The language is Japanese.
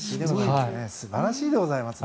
素晴らしいです。